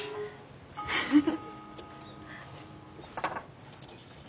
フフフッ。